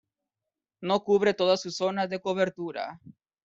No cubre toda su zona de cobertura.